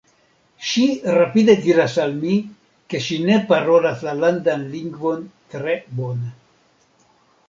Ŝi rapide diras al mi, ke ŝi ne parolas la landan lingvon tre bone.